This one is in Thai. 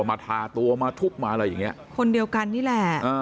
มาทาตัวมาทุบมาอะไรอย่างเงี้ยคนเดียวกันนี่แหละ